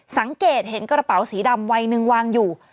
สังเกตเห็นกระเป๋าสีดำวัยหนึ่งวางอยู่